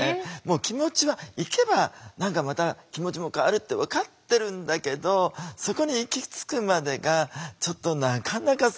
気持ちは行けば何かまた気持ちも変わるって分かってるんだけどそこに行き着くまでがちょっとなかなか説得するのがね。